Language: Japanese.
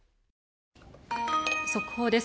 速報です。